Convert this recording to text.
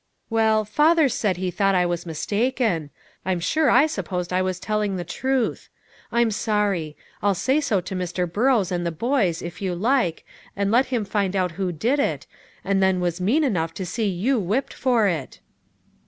"Well, father said he thought I was mistaken. I'm sure I supposed I was telling the truth. I'm sorry. I'll say so to Mr. Burrows and the boys, if you like, and let him find out who did it, and then was mean enough to see you whipped for it."